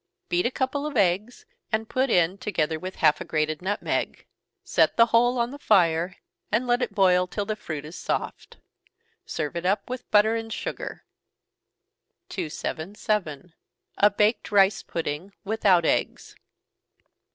Beat a couple of eggs, and put in, together with half of a grated nutmeg. Set the whole on the fire, and let it boil till the fruit is soft. Serve it up with butter and sugar. 277. _A Baked Rice Pudding, without eggs.